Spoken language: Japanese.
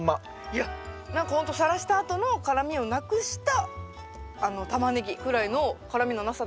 いや何かほんとさらしたあとの辛みをなくしたタマネギぐらいの「辛みのなさ」